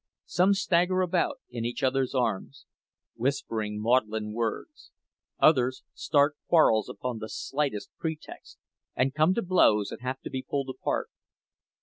Some stagger about in each other's arms, whispering maudlin words—others start quarrels upon the slightest pretext, and come to blows and have to be pulled apart.